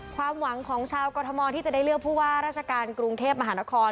ความหวังของชาวกรทมที่จะได้เลือกผู้ว่าราชการกรุงเทพมหานคร